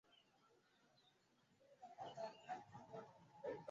hivyo hii sasa hivi inamaanisha nini inamaanisha tume ndio huwa mara nyingine inatufuruga